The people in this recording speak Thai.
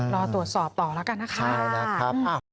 รอตรวจสอบต่อแล้วกันนะคะใช่แล้วครับ